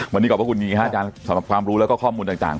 วันนี้ขอบคุณค่ะอาจารย์สำหรับความรู้และข้อมูลต่าง